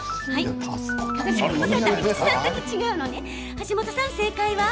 橋本さん、正解は？